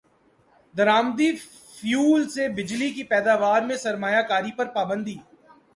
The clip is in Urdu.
درامدی فیول سے بجلی کی پیداوار میں سرمایہ کاری پر پابندی